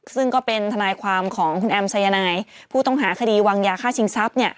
ซึ่งก็เป็นทนายความของคุณแอมสายนายผู้ต้องหาคดีวางยาฆ่าชิงทรัพย์